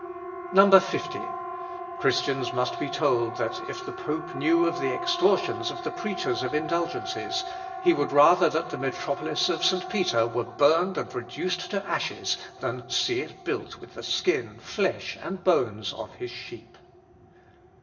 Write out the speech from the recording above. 50. "Christians must be told that if the pope knew of the extortions of the preachers of indulgences, he would rather that the metropolis of St. Peter were burned and reduced to ashes, than see it built with the skin, flesh, and bones, of his sheep.